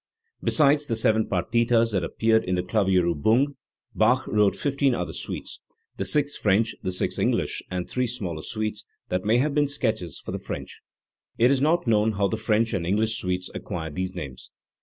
Besides the seven partitas that appeared in the Klavier ttbung, Bach wrote fifteen other suites, the six French, the six English, and three smaller suites, that may have been sketches for the French*. It is not * known how the French and English suites acquired these names.